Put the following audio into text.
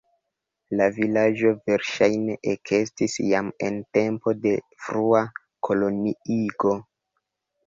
La vilaĝo verŝajne ekestis jam en tempo de frua koloniigo.